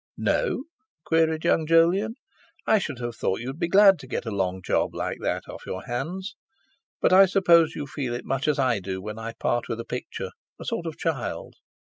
"No?" queried young Jolyon; "I should have thought you'd be glad to get a long job like that off your hands; but I suppose you feel it much as I do when I part with a picture—a sort of child?"